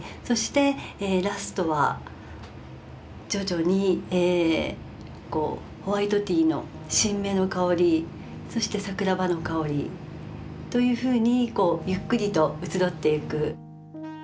そしてラストは徐々にホワイトティーの新芽の香りそして桜葉の香りというふうにこうゆっくりと移ろっていく。